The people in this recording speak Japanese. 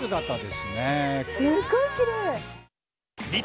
すごいきれい。